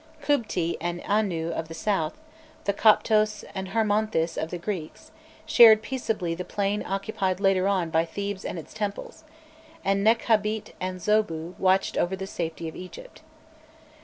Qûbti and Aûnû of the South, the Coptos and Hermonthis of the Greeks, shared peaceably the plain occupied later on by Thebes and its temples, and Nekhabît and Zobû watched over the safety of Egypt.